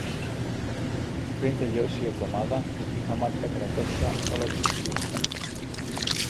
Πριν τελειώσει η εβδομάδα είχα μάθει τα κατατόπια όλα του σπιτιού